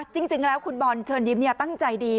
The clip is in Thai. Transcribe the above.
จริงแล้วคุณบอลเชิญยิ้มตั้งใจดี